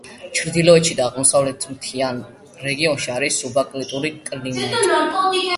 ჩრდილოეთით და აღმოსავლეთით, მთიან რეგიონებში არის სუბარქტიკული კლიმატი.